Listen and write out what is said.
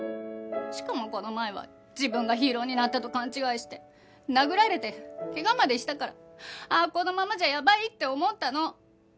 しかもこの前は自分がヒーローになったと勘違いして殴られて怪我までしたからあこのままじゃやばいって思ったの。